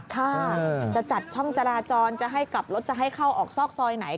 ค่ะจะจัดช่องจราจรจะให้กลับรถจะให้เข้าออกซอกซอยไหน